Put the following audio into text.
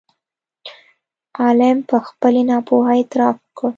عالم په خپلې ناپوهۍ اعتراف وکړ.